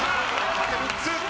縦３つ。